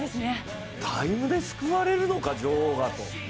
タイムで救われるのか女王が、と。